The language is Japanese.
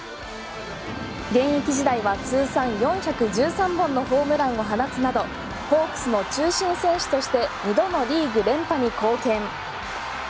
現役時代は通算４１３本のホームランを放つなどホークスの中心選手として２度のリーグ連覇に貢献。